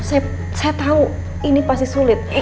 saya tahu ini pasti sulit